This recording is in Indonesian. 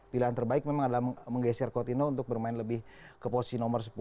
pilihan terbaik memang adalah menggeser coutinho untuk bermain lebih ke posisi nomor sepuluh